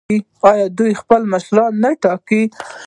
آیا دوی خپل مشران نه ټاکي؟